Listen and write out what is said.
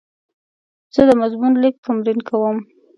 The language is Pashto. زه د مضمون لیک تمرین کوم.